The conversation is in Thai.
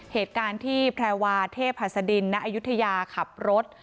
เหตุการณ์ที่แพรวาเทพหัสดินณอายุทยาขับรถ